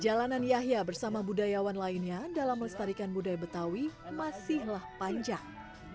jalanan yahya bersama budayawan lainnya dalam melestarikan budaya betawi masihlah panjang